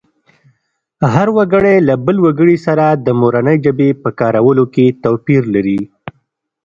هر وګړی له بل وګړي سره د مورنۍ ژبې په کارولو کې توپیر لري